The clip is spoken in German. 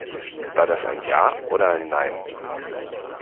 War das ein Ja oder ein Nein?